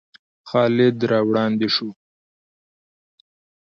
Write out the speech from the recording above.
خالد را وړاندې شو.